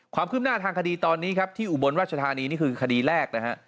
ความคืบหน้าทางคดีตอนนี้ครับที่อุบลราชธานีนี่คือคดีแรกนะฮะ